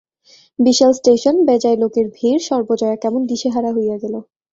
বিশাল station, বেজায় লোকের ভিড়-সর্বজয়া কেমন দিশেহারা হইয়া গেল।